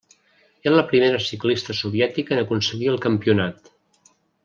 Era la primera ciclista soviètica en aconseguir el Campionat.